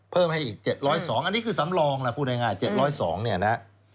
เพิ่มให้อีก๗๐๒อันนี้คือสำรองล่ะพูดง่าย๗๐๒เนี่ยนะ